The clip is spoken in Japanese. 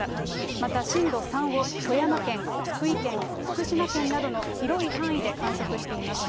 また震度３を富山県、福井県、福島県などの広い範囲で観測しています。